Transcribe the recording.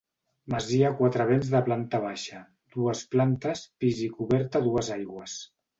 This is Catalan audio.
Masia a quatre vents de planta baixa, dues plantes pis i coberta a dues aigües.